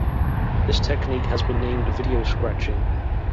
This technique has been named video scratching.